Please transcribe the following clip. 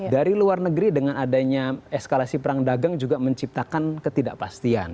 dari luar negeri dengan adanya eskalasi perang dagang juga menciptakan ketidakpastian